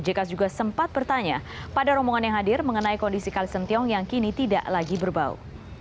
jk juga sempat bertanya pada rombongan yang hadir mengenai kondisi kalisentiong yang kini tidak lagi berbau